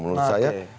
menurut saya ini harus